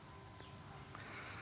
bagaimana akhir dari konflik yang terjadi